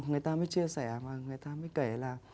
người ta mới chia sẻ và người ta mới kể là